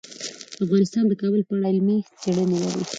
افغانستان د کابل په اړه علمي څېړنې لري.